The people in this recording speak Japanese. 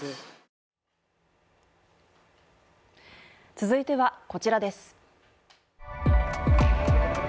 続いてはこちらです。